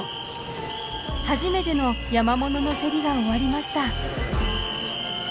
初めての山ものの競りが終わりました。